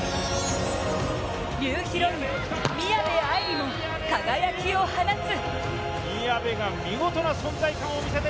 ニューヒロイン・宮部藍梨も輝きを放つ。